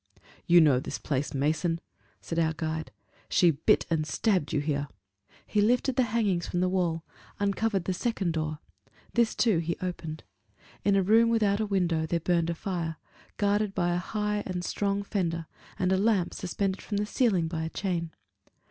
"You know this place, Mason," said our guide; "she bit and stabbed you here." He lifted the hangings from the wall, uncovering the second door; this too he opened. In a room without a window there burned a fire, guarded by a high and strong fender, and a lamp suspended from the ceiling by a chain.